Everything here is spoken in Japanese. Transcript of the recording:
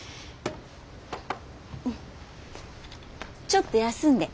ちょっと休んで。